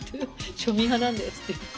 庶民派なんですって。